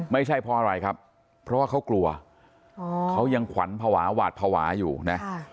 ไม่ใช่เพราะอะไรครับเพราะว่าเขากลัวเขายังขวัญภาวะหวาดภาวะอยู่นะ